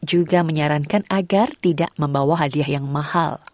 juga menyarankan agar tidak membawa hadiah yang mahal